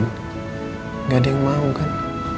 tidak ada yang mau kan